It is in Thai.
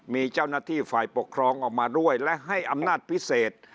มีเจ้าหน้าที่ฝ่ายปกครองออกมาด้วยและให้อำนาจพิเศษ